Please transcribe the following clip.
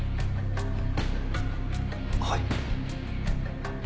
はい。